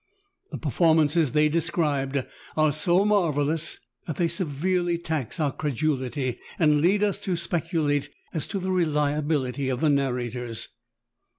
The performances they described are so marvelous that the}^ severely tax our credulity and lead us to speculate as to the reliability of the narrators.